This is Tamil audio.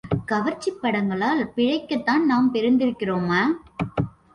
கவர்ச்சிப் படங்களால் பிழைக்கத்தான் நாம் பிறந்திருக்கிறோமே!